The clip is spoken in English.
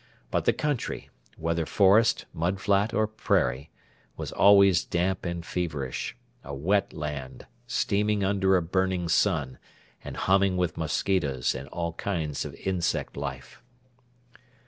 But the country whether forest, mud flat, or prairie was always damp and feverish: a wet land steaming under a burning sun and humming with mosquitoes and all kinds of insect life.